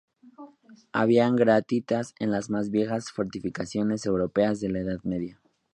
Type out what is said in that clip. Había garitas en las más viejas fortificaciones europeas de la Edad Media.